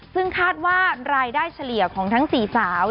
ซึ่งคาดว่ารายได้เฉลี่ยของทั้ง๔สาว